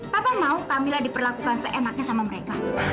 papa mau kamilah diperlakukan seenaknya sama mereka